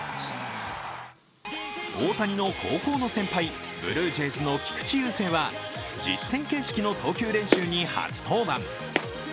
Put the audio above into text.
大谷の高校の先輩、ブルージェイズの菊池雄星は実戦形式の投球練習に初登板。